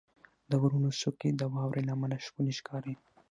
• د غرونو څوکې د واورې له امله ښکلي ښکاري.